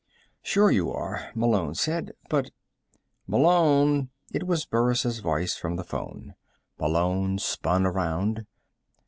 "Sure you are," Malone said. "But " "Malone!" It was Burris' voice, from the phone. Malone spun around.